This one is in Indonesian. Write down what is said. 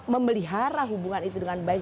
memelihara hubungan itu dengan baik